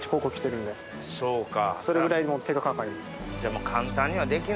それぐらい手がかかります。